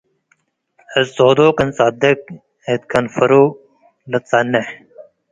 እት ጹዱቅ እንጸድቅ እት ከንፈሩ ለትጸንሕ